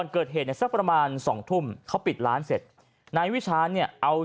เกิดเหตุเนี่ยสักประมาณสองทุ่มเขาปิดร้านเสร็จนายวิชาเนี่ยเอา